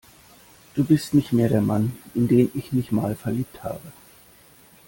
Du bist nicht mehr der Mann, in den ich mich mal verliebt habe.